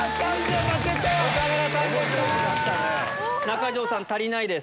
中条さん足りないです。